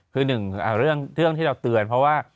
คือหนึ่งเรื่องที่เราเตือนเพราะว่า